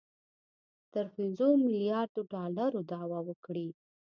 تر پنځو میلیاردو ډالرو دعوه وکړي